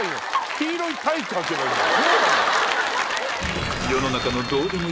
黄色いタイツはけばいいのか。